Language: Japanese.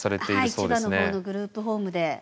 千葉の方のグループホームで。